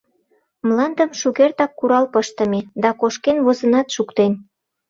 Мландым шукертак курал пыштыме, да кошкен возынат шуктен.